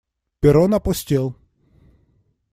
Перрон опустел.